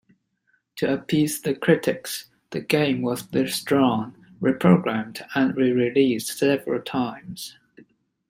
To appease the critics, the game was withdrawn, re-programmed, and re-released several times.